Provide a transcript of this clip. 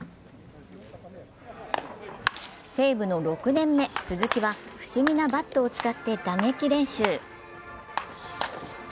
西武の６年目、鈴木は不思議なバットを使って打撃練習。